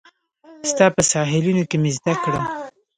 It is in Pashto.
ستا په ساحلونو کې مې زده کړه